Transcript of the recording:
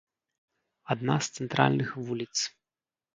Адна з цэнтральных вуліц.